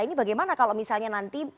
ini bagaimana kalau misalnya nanti